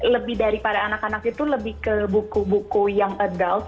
lebih daripada anak anak itu lebih ke buku buku yang adult